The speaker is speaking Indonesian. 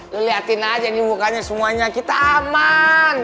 lu liatin aja di mukanya semuanya kita aman